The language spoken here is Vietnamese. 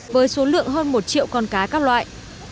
với số lượng hơn một triệu con cá các loại